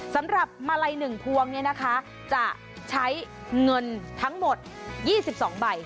สำหรับมาลัย๑พวงเนี่ยนะคะจะใช้เงินทั้งหมด๒๒ใบ